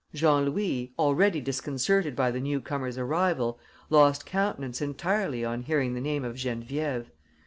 Jean Louis, already disconcerted by the newcomers' arrival, lost countenance entirely on hearing the name of Geneviève.